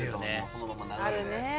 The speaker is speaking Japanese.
そのまま流れで。